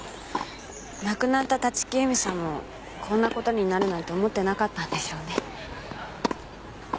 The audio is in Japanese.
亡くなった立木由美さんもこんな事になるなんて思ってなかったんでしょうね。